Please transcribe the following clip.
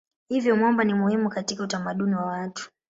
Hivyo mwamba ni muhimu katika utamaduni wa watu.